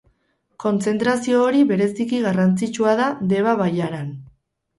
Kontzentrazio hori bereziki garrantzitsua da Deba bailaran.